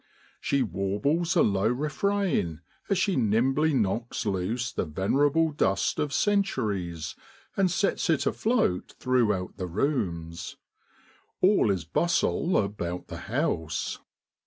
She warbles a low refrain as she nimbly knocks loose the venerable dust of centuries, and sets it afloat throughout the rooms. All is bustle about the house.